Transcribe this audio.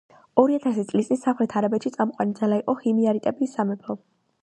ორი ათასი წლის წინ სამხრეთ არაბეთში წამყვანი ძალა იყო ჰიმიარიტების სამეფო.